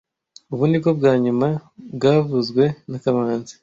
Ubu ni bwo bwa nyuma byavuzwe na kamanzi